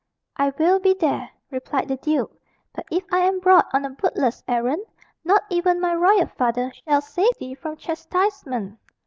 "I will be there," replied the duke; "but if I am brought on a bootless errand, not even my royal father shall save thee from chastisement."